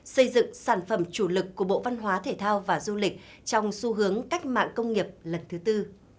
xây dựng sản phẩm chủ lực của bộ văn hóa thể thao và du lịch trong xu hướng cách mạng công nghiệp lần thứ tư